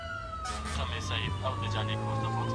آیا په هغه زمانه کي ښځو د زده کړو تلاښ کاوه؟